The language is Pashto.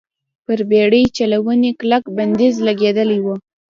پر بېړۍ چلونې کلک بندیز لګېدلی و.